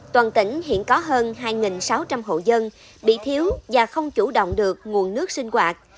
toàn tỉnh hiện có hơn hai sáu trăm linh hộ dân bị thiếu và không chủ động được nguồn nước sinh hoạt